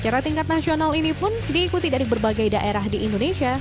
acara tingkat nasional ini pun diikuti dari berbagai daerah di indonesia